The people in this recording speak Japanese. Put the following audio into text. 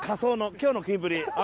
今日のキンプリ。